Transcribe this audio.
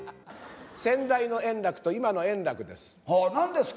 先代の圓楽と今の円楽です。